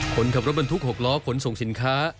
คนขับรถบรรทุก๖ล้อขนส่งสินค้า